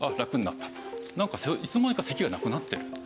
「なんかいつの間にか咳がなくなっている」と。